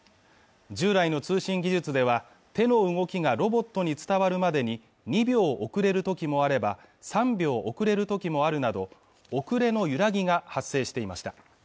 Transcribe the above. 従来の通信技術では手の動きがロボットに伝わるまでに２秒遅れるときもあれば３秒遅れる時もあるなど遅れの揺らぎが発生していました